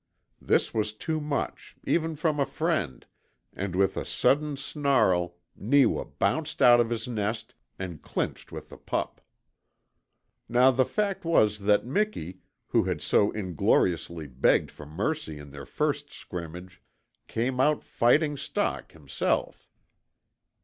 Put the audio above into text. This was too much, even from a friend, and with a sudden snarl Neewa bounced out of his nest and clinched with the pup. Now the fact was that Miki, who had so ingloriously begged for mercy in their first scrimmage, came of fighting stock himself.